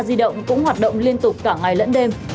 di động cũng hoạt động liên tục cả ngày lẫn đêm